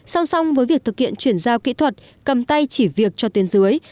song song với việc thực hiện chuyển giao kỹ thuật cầm tay chỉ việc cho tuyến dưới